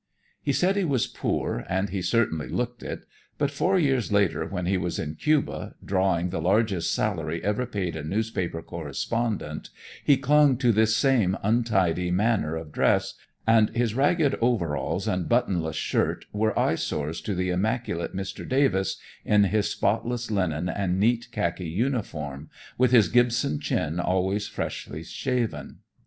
He said he was poor, and he certainly looked it, but four years later when he was in Cuba, drawing the largest salary ever paid a newspaper correspondent, he clung to this same untidy manner of dress, and his ragged overalls and buttonless shirt were eyesores to the immaculate Mr. Davis, in his spotless linen and neat khaki uniform, with his Gibson chin always freshly shaven.